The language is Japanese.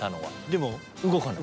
でも動かない？